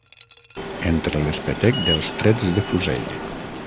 Entre l'espetec dels trets de fusell